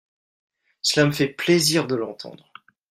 Cela me fait plaisir de l’entendre